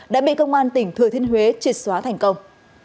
đã bị công an tỉnh thừa thiên huế triệt xóa thành công